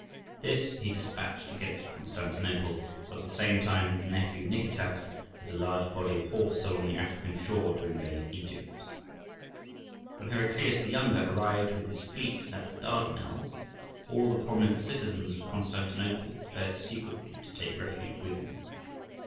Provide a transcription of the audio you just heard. This he despatched against Constantinople, while at the same time his nephew Nicetas led a large body of horse along the African shore to invade Egypt. When Heraclius the younger arrived with his fleet at the Dardanelles, all the prominent citizens of Constantinople fled secretly to take refuge with him.